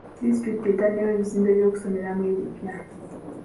Disitulikiti etaddewo ebizimbe by'okusomeramu ebipya.